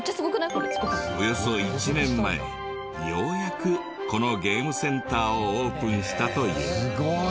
およそ１年前ようやくこのゲームセンターをオープンしたという。